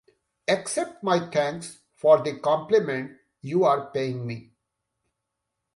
Accept my thanks for the compliment you are paying me.